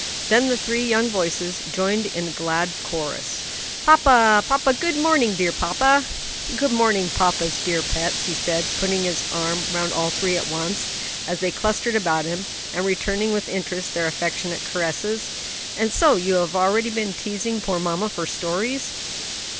Then the three young voices joined in a glad chorus, "Papa! papa! good morning, dear papa." "Good morning, papa's dear pets," he said, putting his arms round all three at once, as they clustered about him, and returning with interest their affectionate caresses. "And so you have already been teasing poor mamma for stories?"